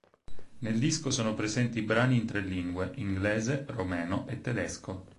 Nel disco sono presenti brani in tre lingue: inglese, romeno e tedesco.